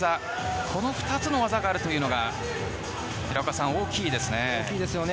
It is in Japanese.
この２つの技があるというのが大きいですね。